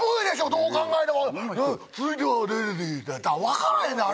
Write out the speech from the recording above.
どう考えても続いてはって分からへんねん